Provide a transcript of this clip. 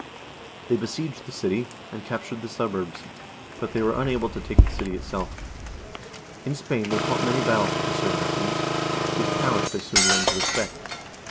They besieged the city, and captured the suburbs, but they were unable to take the city itself. In Spain they fought many battles with the Saracens, whose prowess they soon learned to respect.